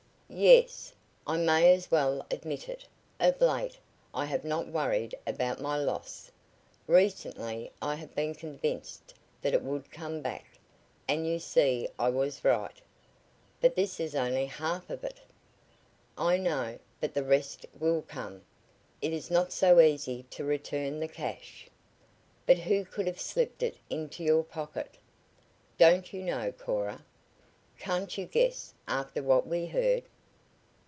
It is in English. "Yes. I may as well admit it, of late I have not worried about my loss. Recently I have been convinced that it would come back. And you see I was right." "But this is only half of it." "I know, but the rest will come. It is not so easy to return the cash." "But who could have slipped it into your pocket?" "Don't you know? Can't you guess after what we heard?"